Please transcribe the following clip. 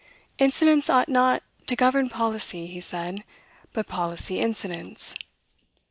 "Incidents ought not to govern policy," he said, "but policy, incidents."